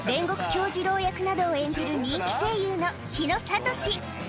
杏寿郎役などを演じる人気声優の日野聡